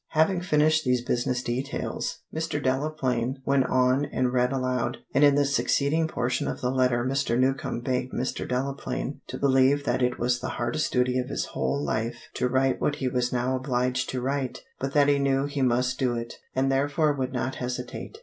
Having finished these business details, Mr. Delaplaine went on and read aloud, and in the succeeding portion of the letter Mr. Newcombe begged Mr. Delaplaine to believe that it was the hardest duty of his whole life to write what he was now obliged to write, but that he knew he must do it, and therefore would not hesitate.